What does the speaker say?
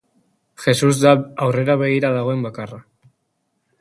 Jesus da aurrera begira dagoen bakarra.